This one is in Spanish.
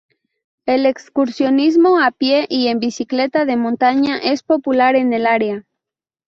El excursionismo a pie y en bicicleta de montaña es popular en el área.